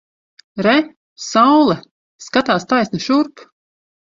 Re! Saule! Skatās taisni šurp!